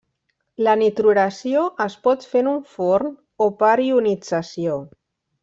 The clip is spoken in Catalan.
La nitruració es pot fer en un forn o per ionització.